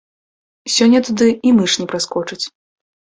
Сёння туды і мыш не праскочыць.